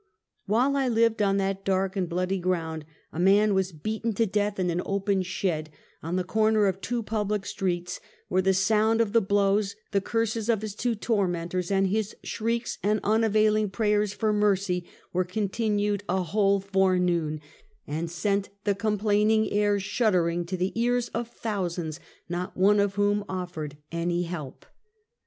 While I lived on that dark and bloody ground, a man was beaten to death in an open shed, on the cor ner of two public streets, where the sound of the blows, the curses of his two tormentors, and his shrieks and unavailing prayers for mercy were continued a whole forenoon, and sent the complaining air shud dering to the ears of thousands, not one of whom offered any help.